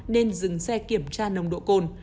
nên dừng xe kiểm tra nồng độ cồn